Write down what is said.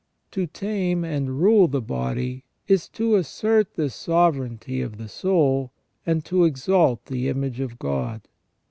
To tame and rule the body is to assert the sovereignty of the soul, and to exalt the image of God.